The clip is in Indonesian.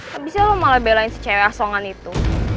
gak bisa lo malah belain si cewek asongan itu